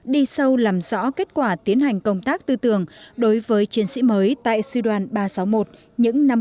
đi sâu làm rõ kết quả tiến hành công tác tư tưởng đối với chiến sĩ mới tại sư đoàn ba trăm sáu mươi một những năm